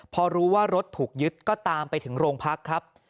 พอรู้ว่ารถถูกยึดก็ตามไปถึงโรงพักครับ